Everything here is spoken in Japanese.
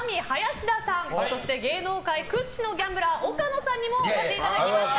そして、ザ・マミィ林田さんそして芸能界屈指のギャンブラー岡野さんにもお越しいただきました。